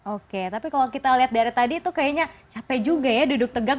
oke tapi kalau kita lihat dari tadi itu kayaknya capek juga ya duduk tegang